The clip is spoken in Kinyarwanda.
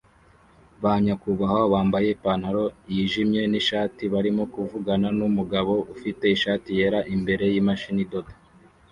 Ba nyakubahwa bambaye ipantaro yijimye nishati barimo kuvugana numugabo ufite ishati yera imbere yimashini idoda